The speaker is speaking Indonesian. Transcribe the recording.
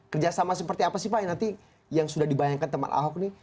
kerjasama seperti apa sih pak nanti yang sudah dibayangkan teman ahok nih